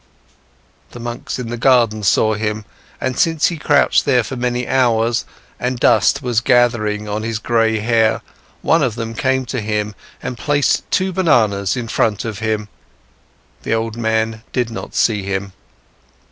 The monks in the garden saw him, and since he crouched for many hours, and dust was gathering on his gray hair, one of them came to him and placed two bananas in front of him. The old man did not see him.